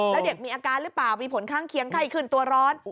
แล้วเด็กมีอาการหรือเปล่ามีผลข้างเคียงไข้ขึ้นตัวร้อน